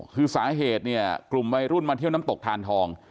คือสาเหตุเนี่ยกลุ่มวัยรุ่นมาเที่ยวน้ำตกทานทอง